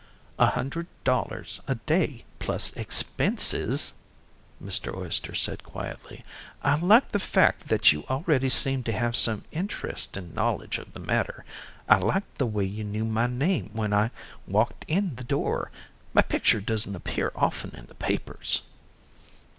"A hundred dollars a day plus expenses," Mr. Oyster said quietly. "I like the fact that you already seem to have some interest and knowledge of the matter. I liked the way you knew my name when I walked in the door; my picture doesn't appear often in the papers."